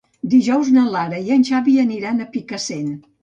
Dijous na Lara i en Xavi aniran a Picassent.